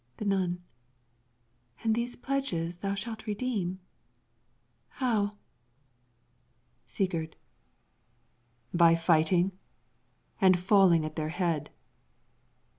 The Nun And these pledges thou shalt redeem how? Sigurd By fighting and falling at their head.